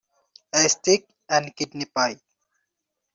A steak-and-kidney pie.